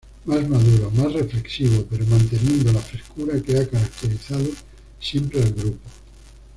Más maduro, más reflexivo pero manteniendo la frescura que ha caracterizado siempre al grupo.